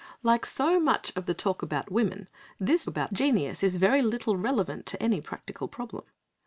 Like so much of the talk about women, this about genius is very little relevant to any practical problem.